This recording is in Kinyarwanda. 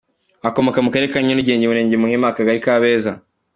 akomoka mu karere ka Nyarugenge Umurenge Muhima Akagari Kabeza.